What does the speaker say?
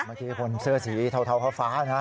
เมื่อกี้คนเสื้อสีเทาฟ้านะ